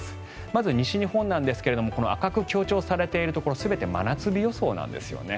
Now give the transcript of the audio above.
まず西日本ですが赤く強調されているところ全て真夏日予想なんですよね。